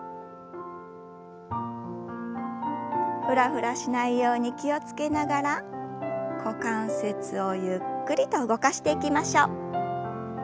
フラフラしないように気を付けながら股関節をゆっくりと動かしていきましょう。